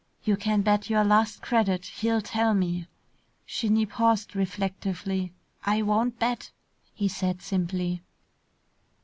You can bet your last credit, he'll tell me!" Shinny paused reflectively. "I won't bet," he said simply.